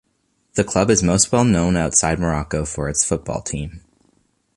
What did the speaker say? The club is most well known outside Morocco for its football team.